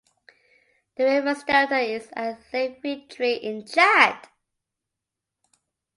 The river's delta is at Lake Fitri in Chad.